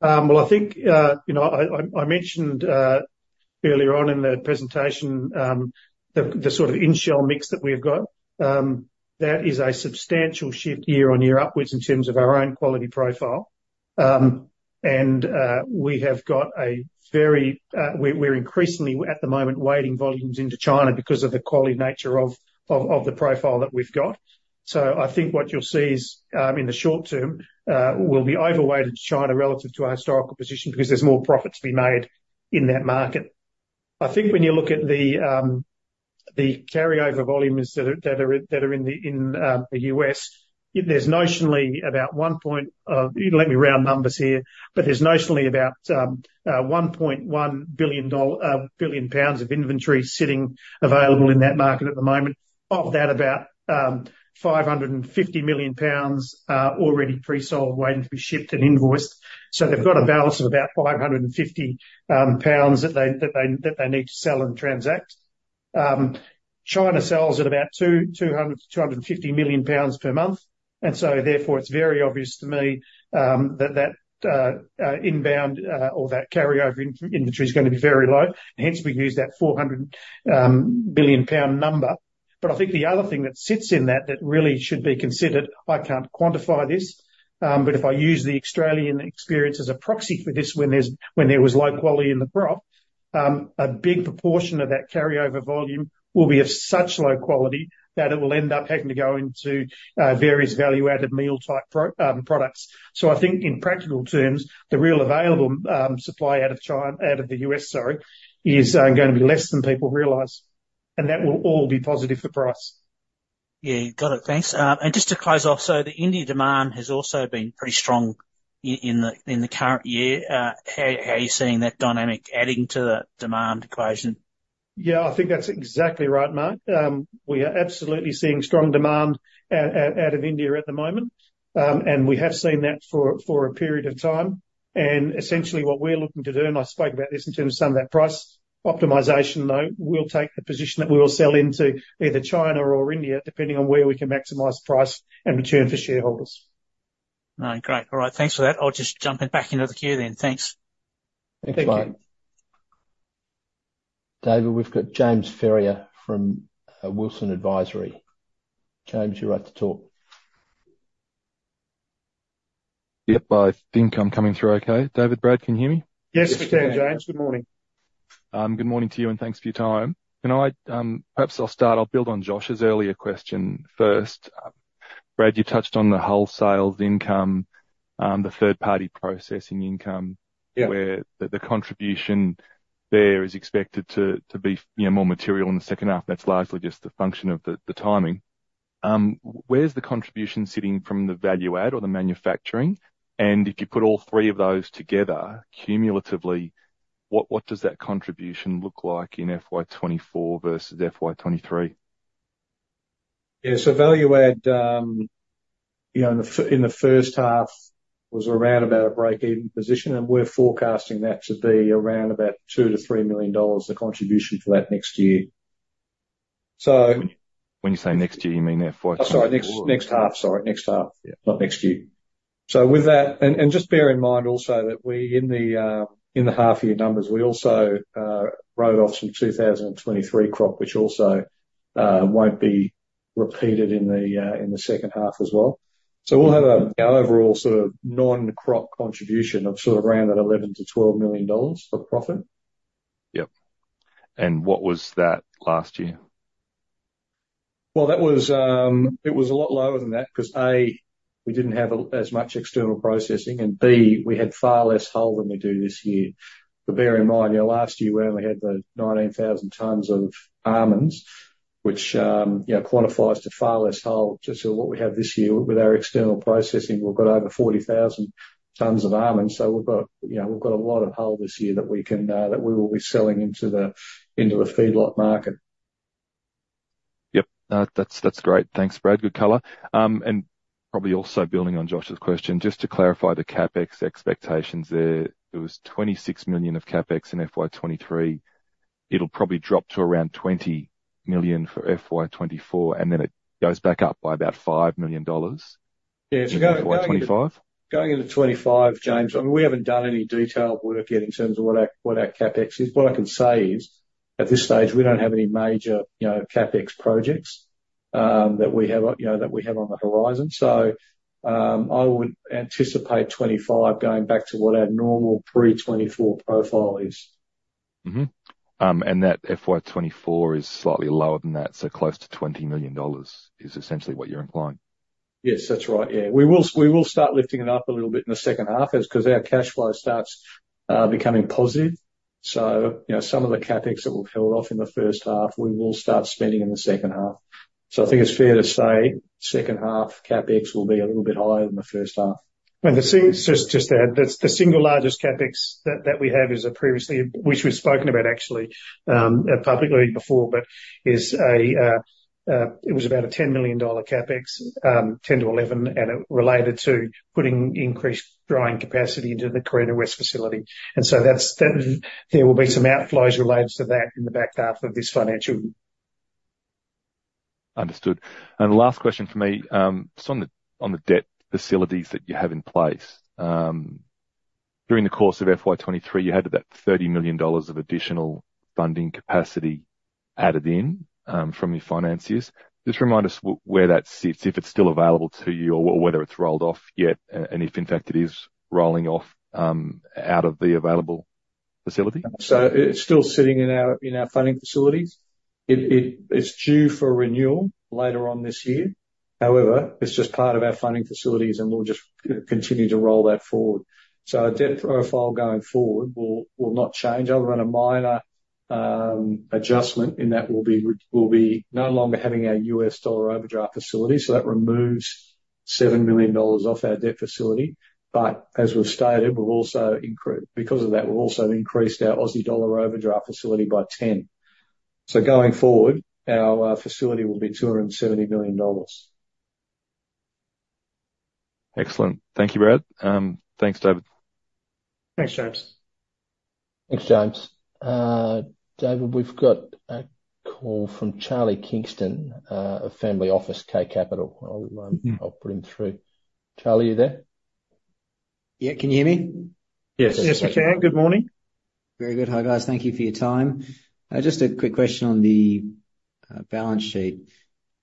Well, I think, you know, I mentioned earlier on in the presentation, the sort of in-shell mix that we've got. That is a substantial shift year-on-year upwards in terms of our own quality profile. And, we have got a very-- we're increasingly at the moment, weighting volumes into China because of the quality nature of the profile that we've got. So I think what you'll see is, in the short term, we'll be overweighted China relative to our historical position, because there's more profit to be made in that market. I think when you look at the carryover volumes that are in the U.S., there's notionally about 1.1 billion pounds of inventory sitting available in that market at the moment. Of that, about 550 million pounds are already pre-sold, waiting to be shipped and invoiced. So they've got a balance of about 550 pounds that they need to sell and transact. China sells at about 200-250 million pounds per month, and so therefore, it's very obvious to me, that, that, inbound, or that carryover inventory is gonna be very low, and hence we can use that 400 million pound number. But I think the other thing that sits in that, that really should be considered, I can't quantify this, but if I use the Australian experience as a proxy for this, when there was low quality in the crop, a big proportion of that carryover volume will be of such low quality that it will end up having to go into, various value-added meal-type products. So I think in practical terms, the real available supply out of China, out of the US, sorry, is gonna be less than people realize, and that will all be positive for price. Yeah, got it. Thanks. And just to close off, so the India demand has also been pretty strong in the current year. How are you seeing that dynamic adding to the demand equation? Yeah, I think that's exactly right, Mark. We are absolutely seeing strong demand out of India at the moment. And we have seen that for a period of time. And essentially, what we're looking to do, and I spoke about this in terms of some of that price optimization, though, we'll take the position that we will sell into either China or India, depending on where we can maximize price and return for shareholders. All right, great. All right, thanks for that. I'll just jump back into the queue then. Thanks. Thank you. Thanks, Mark. David, we've got James Ferrier from Wilsons Advisory. James, you're right to talk. Yep, I think I'm coming through okay. David, Brad, can you hear me? Yes, we can, James. Good morning. Good morning to you, and thanks for your time. Perhaps I'll start, I'll build on Josh's earlier question first. Brad, you touched on the wholesale income, the third-party processing income- Yeah where the contribution there is expected to be, you know, more material in the second half, and that's largely just a function of the timing. Where's the contribution sitting from the value add or the manufacturing? And if you put all three of those together, cumulatively, what does that contribution look like in FY 2024 versus FY 2023? Yeah, so value add, you know, in the first half was around about a break-even position, and we're forecasting that to be around about 2 million-3 million dollars, the contribution for that next year. So- When you say next year, you mean FY 2024? Sorry, next half. Yeah. -not next year. So with that, and, and just bear in mind also that we, in the, in the half-year numbers, we also, wrote off some 2023 crop, which also, won't be repeated in the, in the second half as well. So we'll have an overall sort of non-crop contribution of sort of around that 11 million-12 million dollars for profit. Yep. What was that last year? Well, that was a lot lower than that, 'cause A, we didn't have as much external processing, and B, we had far less hull than we do this year. But bear in mind, you know, last year we only had the 19,000 tons of almonds, which, you know, quantifies to far less hull to sort of what we have this year. With our external processing, we've got over 40,000 tons of almonds, so we've got, you know, we've got a lot of hull this year that we will be selling into the feedlot market. Yep. No, that's, that's great. Thanks, Brad. Good color. And probably also building on Josh's question, just to clarify the CapEx expectations there, it was 26 million of CapEx in FY 2023. It'll probably drop to around 20 million for FY 2024, and then it goes back up by about 5 million dollars? Yeah. In FY 25. Going into 2025, James, I mean, we haven't done any detailed work yet in terms of what our CapEx is. What I can say is, at this stage, we don't have any major, you know, CapEx projects that we have on the horizon. So, I would anticipate 2025 going back to what our normal pre-2024 profile is. Mm-hmm. That FY 2024 is slightly lower than that, so close to 20 million dollars is essentially what you're implying? Yes, that's right. Yeah. We will, we will start lifting it up a little bit in the second half, because our cash flow starts becoming positive. So, you know, some of the CapEx that we've held off in the first half, we will start spending in the second half. So I think it's fair to say, second half CapEx will be a little bit higher than the first half. And just to add, the single largest CapEx that we have is a previously... Which we've spoken about actually, publicly before, but is a, it was about a 10-11 million dollar CapEx, and it related to putting increased drying capacity into the Carina West facility. And so that's there will be some outflows related to that in the back half of this financial year. Understood. And last question from me, just on the debt facilities that you have in place. During the course of FY 2023, you had about 30 million dollars of additional funding capacity added in, from your financiers. Just remind us where that sits, if it's still available to you or whether it's rolled off yet, and if in fact it is rolling off, out of the available facility? So it's still sitting in our funding facilities. It's due for renewal later on this year. However, it's just part of our funding facilities, and we'll just continue to roll that forward. So our debt profile going forward will not change. Other than a minor adjustment, and that will be, we'll be no longer having our U.S. dollar overdraft facility, so that removes-... 7 million dollars off our debt facility, but as we've stated, we'll also increase, because of that, we'll also increase our Aussie dollar overdraft facility by 10. So going forward, our facility will be 270 million dollars. Excellent. Thank you, Brad. Thanks, David. Thanks, James. Thanks, James. David, we've got a call from Charlie Kingston of family office K Capital. I'll put him through. Charlie, are you there? Yeah. Can you hear me? Yes. Yes, we can. Good morning. Very good. Hi, guys. Thank you for your time. Just a quick question on the balance sheet.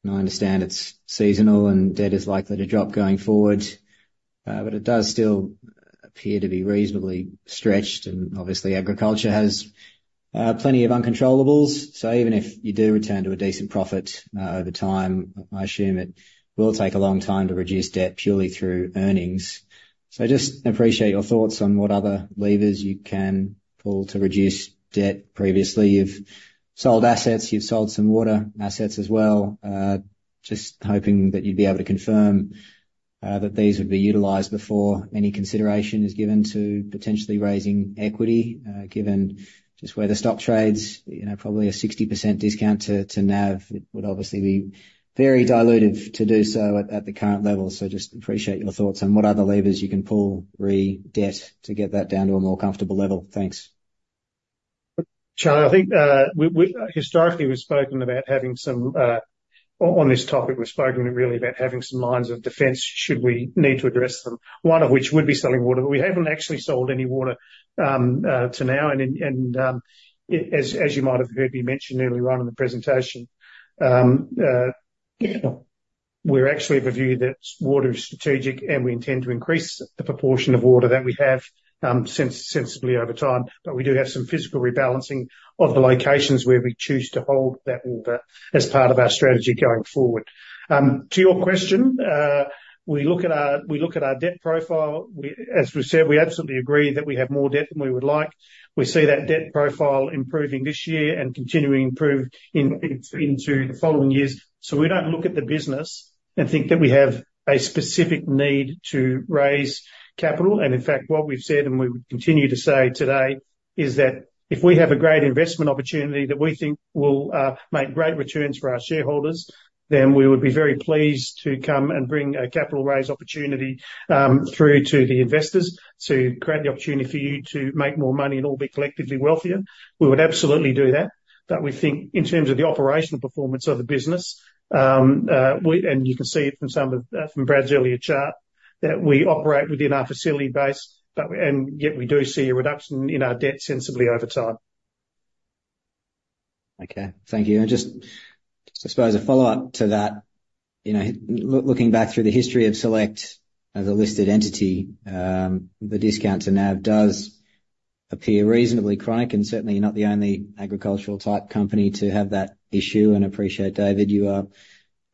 I understand it's seasonal, and debt is likely to drop going forward, but it does still appear to be reasonably stretched, and obviously, agriculture has plenty of uncontrollables. Even if you do return to a decent profit over time, I assume it will take a long time to reduce debt purely through earnings. I just appreciate your thoughts on what other levers you can pull to reduce debt. Previously, you've sold assets, you've sold some water assets as well. Just hoping that you'd be able to confirm that these would be utilized before any consideration is given to potentially raising equity, given just where the stock trades, you know, probably a 60% discount to NAV. It would obviously be very dilutive to do so at the current level. So just appreciate your thoughts on what other levers you can pull re: debt to get that down to a more comfortable level. Thanks. Charlie, I think, historically, we've spoken about having some on this topic, we've spoken really about having some lines of defense, should we need to address them, one of which would be selling water. But we haven't actually sold any water to now, and as you might have heard me mention earlier on in the presentation, we're actually of a view that water is strategic, and we intend to increase the proportion of water that we have sensibly over time. But we do have some physical rebalancing of the locations where we choose to hold that water as part of our strategy going forward. To your question, we look at our debt profile, as we said, we absolutely agree that we have more debt than we would like. We see that debt profile improving this year and continuing to improve into the following years. So we don't look at the business and think that we have a specific need to raise capital. And in fact, what we've said, and we would continue to say today, is that if we have a great investment opportunity that we think will make great returns for our shareholders, then we would be very pleased to come and bring a capital raise opportunity through to the investors to create the opportunity for you to make more money and all be collectively wealthier. We would absolutely do that. But we think in terms of the operational performance of the business, we... You can see it from some of, from Brad's earlier chart, that we operate within our facility base, and yet we do see a reduction in our debt sensibly over time. Okay. Thank you. Just I suppose a follow-up to that, you know, looking back through the history of Select as a listed entity, the discount to NAV does appear reasonably chronic and certainly not the only agricultural-type company to have that issue. I appreciate, David, you are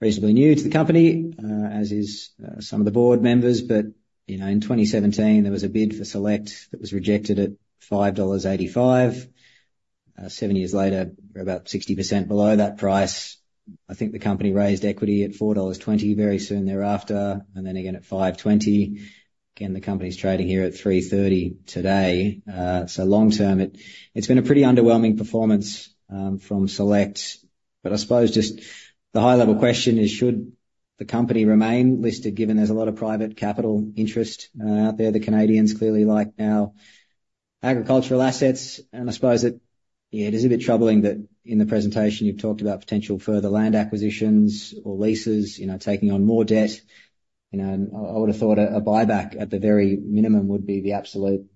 reasonably new to the company, as is some of the board members, but, you know, in 2017, there was a bid for Select that was rejected at 5.85 dollars. Seven years later, we're about 60% below that price. I think the company raised equity at 4.20 dollars very soon thereafter, and then again at 5.20. Again, the company's trading here at 3.30 today. So long term, it's been a pretty underwhelming performance from Select. But I suppose just the high level question is, should the company remain listed, given there's a lot of private capital interest out there? The Canadians clearly like our agricultural assets, and I suppose it, yeah, it is a bit troubling that in the presentation, you've talked about potential further land acquisitions or leases, you know, taking on more debt. You know, and I would have thought a buyback at the very minimum would be the absolute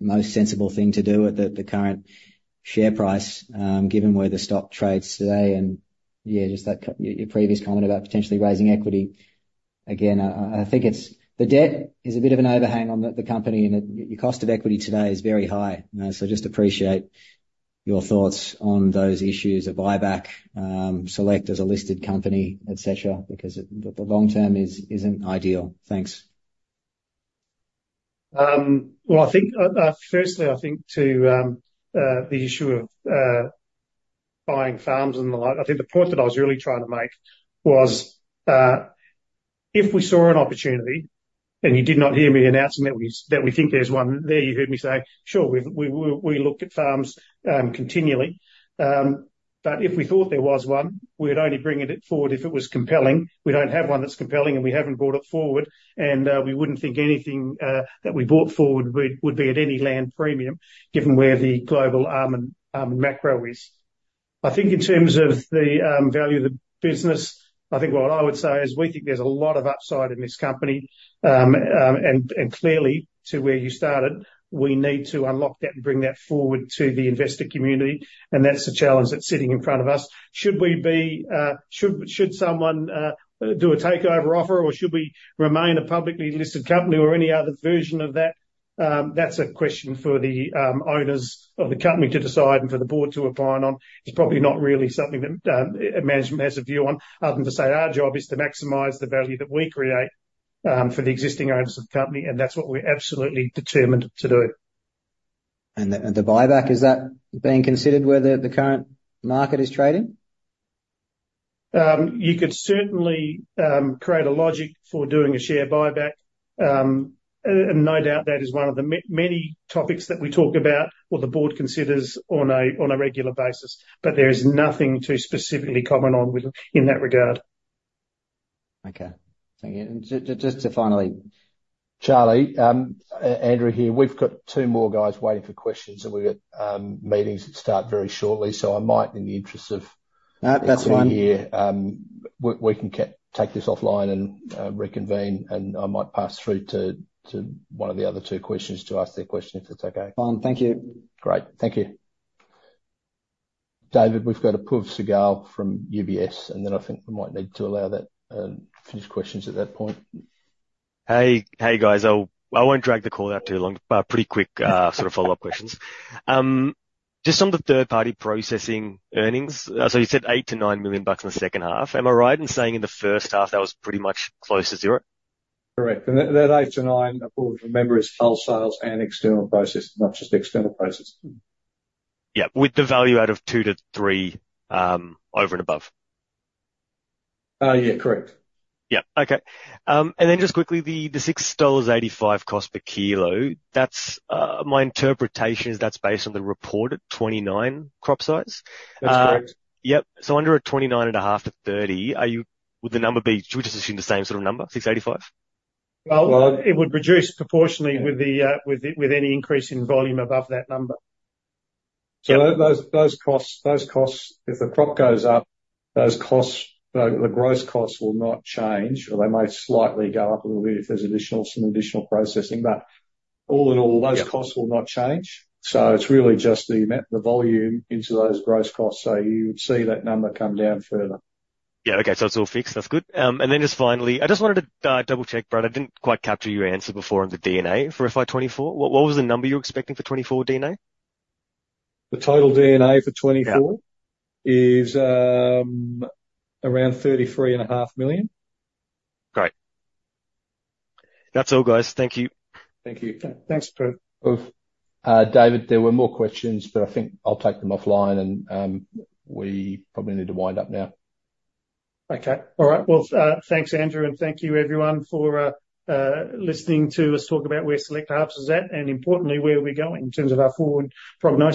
most sensible thing to do at the current share price, given where the stock trades today. And yeah, just that your previous comment about potentially raising equity. Again, I think it's the debt is a bit of an overhang on the company, and your cost of equity today is very high. You know, so just appreciate your thoughts on those issues, a buyback, Select as a listed company, et cetera, because the long term isn't ideal. Thanks. Well, I think, firstly, I think to the issue of buying farms and the like, I think the point that I was really trying to make was, if we saw an opportunity, and you did not hear me announcing that we think there's one there, you heard me say, "Sure, we look at farms continually." But if we thought there was one, we would only bring it forward if it was compelling. We don't have one that's compelling, and we haven't brought it forward. And, we wouldn't think anything that we brought forward would be at any land premium, given where the global macro is. I think in terms of the value of the business, I think what I would say is we think there's a lot of upside in this company. And clearly, to where you started, we need to unlock that and bring that forward to the investor community, and that's the challenge that's sitting in front of us. Should someone do a takeover offer, or should we remain a publicly listed company or any other version of that? That's a question for the owners of the company to decide and for the board to opine on. It's probably not really something that management has a view on, other than to say our job is to maximize the value that we create for the existing owners of the company, and that's what we're absolutely determined to do. ...And the buyback, is that being considered where the current market is trading? You could certainly create a logic for doing a share buyback. And no doubt that is one of the many topics that we talk about or the board considers on a regular basis, but there is nothing to specifically comment on with, in that regard. Okay. Thank you. And just to finally- Charlie, Andrew here. We've got two more guys waiting for questions, and we've got meetings that start very shortly, so I might, in the interest of- No, that's fine. We can take this offline and reconvene, and I might pass through to one of the other two questions to ask their question, if that's okay? Fine. Thank you. Great. Thank you. David, we've got Apoorv Sehgal from UBS, and then I think we might need to allow that, finish questions at that point. Hey, hey, guys. I'll, I won't drag the call out too long, but pretty quick, sort of follow-up questions. Just on the third-party processing earnings, so you said 8 million-9 million bucks in the second half. Am I right in saying in the first half, that was pretty much close to zero? Correct. And that 8-9, of course, remember, is wholesale sales and external processing, not just external processing. Yeah, with the value add of 2-3, over and above. Yeah, correct. Yeah. Okay. And then just quickly, the 6.85 dollars cost per kilo, that's... My interpretation is that's based on the reported 29 crop size? That's correct. Yep, so under a 29.5-30, would the number be? Should we just assume the same sort of number, 685? Well, it would reduce proportionately with any increase in volume above that number. So those costs, if the crop goes up, the grow costs will not change, or they may slightly go up a little bit if there's additional-some additional processing. But all in all- Yeah. Those costs will not change, so it's really just the amount, the volume into those grow costs, so you would see that number come down further. Yeah, okay. So it's all fixed, that's good. And then just finally, I just wanted to double-check, Brad, I didn't quite capture your answer before on the D&A for FY 2024. What, what was the number you're expecting for 2024 D&A? The total D&A for 24- Yeah... is around 33.5 million. Great. That's all, guys. Thank you. Thank you. Thanks, Apoorv. David, there were more questions, but I think I'll take them offline and we probably need to wind up now. Okay. All right. Well, thanks, Andrew, and thank you everyone for listening to us talk about where Select Harvests is at, and importantly, where we're going in terms of our forward prognosis.